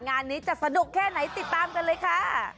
งานนี้จะสนุกแค่ไหนติดตามกันเลยค่ะ